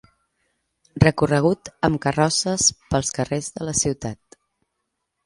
Recorregut amb carrosses pels carrers de la ciutat.